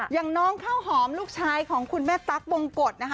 อย่างน้องข้าวหอมลูกชายของคุณแม่ตั๊กบงกฎนะคะ